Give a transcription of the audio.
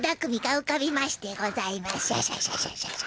ウシャシャシャシャシャ。